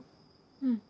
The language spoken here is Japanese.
うん。